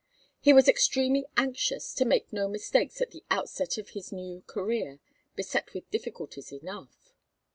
He was extremely anxious to make no mistakes at the outset of his new career, beset with difficulties enough.